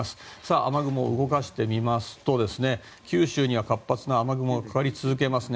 雨雲を動かしてみますと九州には活発な雨雲がかかり続けていますね。